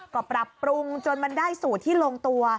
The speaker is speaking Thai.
ก็ปรับปรุงจนมันได้สูตรที่ลงตัว